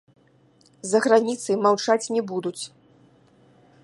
За граніцай маўчаць не будуць.